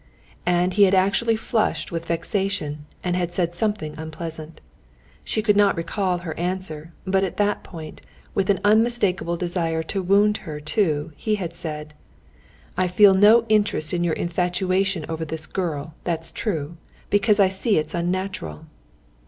And he had actually flushed with vexation, and had said something unpleasant. She could not recall her answer, but at that point, with an unmistakable desire to wound her too, he had said: "I feel no interest in your infatuation over this girl, that's true, because I see it's unnatural."